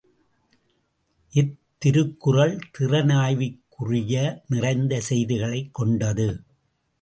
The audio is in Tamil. இத் திருக்குறள் திறனாய்வுக்குறிய நிறைந்த செய்திகளைக் கொண்டது.